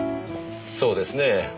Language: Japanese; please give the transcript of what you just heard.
そうですねえ。